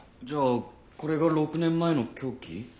じゃあこれが６年前の凶器？